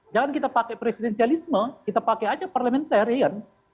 jangan kita pakai presidensialisme kita pakai aja parliamentarian